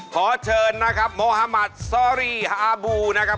ขอเชิญนะครับโมฮามัสซอรี่ฮาบูนะครับ